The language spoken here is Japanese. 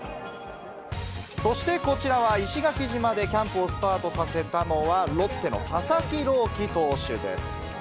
そしてこちらは、石垣島でキャンプをスタートさせたのは、ロッテの佐々木朗希投手です。